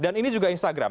dan ini juga instagram